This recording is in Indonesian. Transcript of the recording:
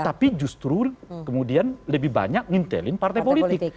tapi justru kemudian lebih banyak ngintelin partai politik